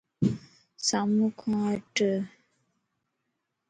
سامو کان ھٽ